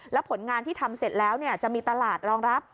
แล้วผลงานที่ทำเสร็จแล้วจะมีตลาดรองรับ